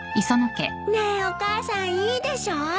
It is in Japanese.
ねえお母さんいいでしょう？